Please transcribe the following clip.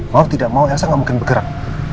mau tidak mau elsa nggak mungkin bergerak